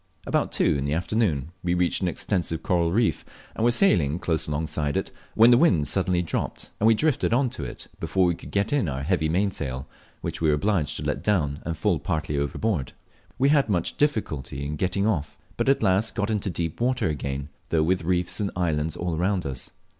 About two in the afternoon we reached an extensive coral reef, and were sailing close alongside of it, when the wind suddenly dropped, and we drifted on to it before we could get in our heavy mainsail, which we were obliged to let run down and fall partly overboard. We had much difficulty in getting off, but at last got into deep water again, though with reefs and islands all around us.